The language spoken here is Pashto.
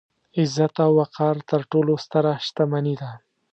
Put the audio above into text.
عزت او وقار تر ټولو ستره شتمني ده.